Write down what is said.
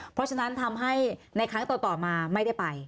เพราะฉะนั้นทำให้ในครั้งต่อมาไม่ได้ไป